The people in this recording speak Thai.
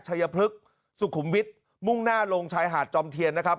พฤกษ์สุขุมวิทย์มุ่งหน้าลงชายหาดจอมเทียนนะครับ